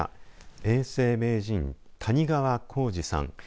永世名人、谷川浩司さん。